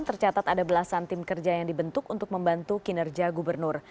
tercatat ada belasan tim kerja yang dibentuk untuk membantu kinerja gubernur